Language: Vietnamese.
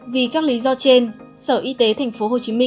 vì các lý do trên sở y tế tp hcm